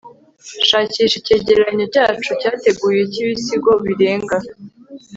shakisha icyegeranyo cyacu cyateguwe cyibisigo birenga